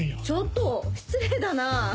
ちょっと失礼だな。